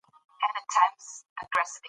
تفریح د ذهن د ارامتیا لپاره ډېره اړینه ده.